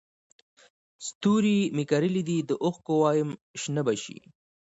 ستوري مې کرلي دي د اوښکو وایم شنه به شي